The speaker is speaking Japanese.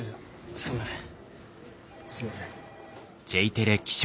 すみません。